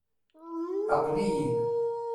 Aql-iyi-n.